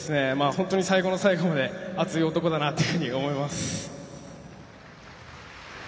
本当に最後の最後まで熱い男だなというふうに思います。